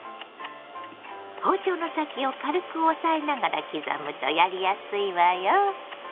包丁の先を軽く押さえながら刻むとやりやすいわよ。